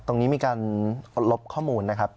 ตรงนี้มีการลบข้อมูลนะครับ